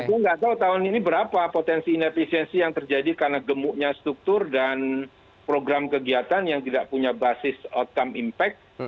saya nggak tahu tahun ini berapa potensi inefisiensi yang terjadi karena gemuknya struktur dan program kegiatan yang tidak punya basis outcome impact